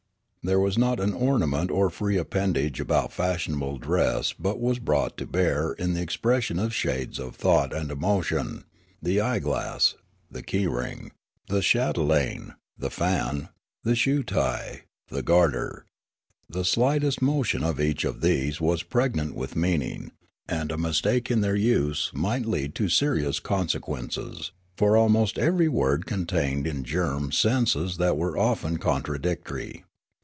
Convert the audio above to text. There was not an ornament or free appendage about fashionable dress but was brought to bear in the expression of shades of thought and emotion — the eye glass, the key ring, the chatelaine, the fan, the shoe tie, the garter ; the slightest motion of each of these was pregnant with meaning, and a mistake in their use might lead to serious consequences ; for almost ever}' word contained in germ senses that were often contradictory.